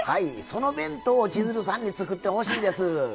その弁当を千鶴さんに作ってほしいです。